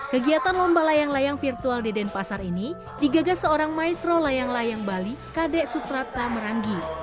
kegiatan lomba layang layang virtual di denpasar ini digagas seorang maestro layang layang bali kadek sutrata meranggi